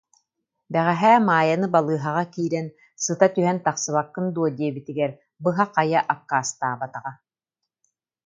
Бэҕэһээ Маайаны балыыһаҕа киирэн сыта түһэн тахсыбаккын дуо диэбитигэр быһа-хайа аккаастаабатаҕа